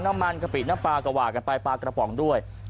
น้ำมันกะปิน้ำปลาก็ว่ากันไปปลากระป๋องด้วย